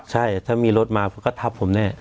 ใช่ถ้ามีรถมาผมก็ทับผมแน่